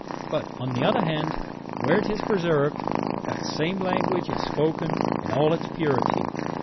But, on the other hand, where it is preserved, that same language is spoken in all its purity.